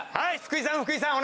福井さん福井さん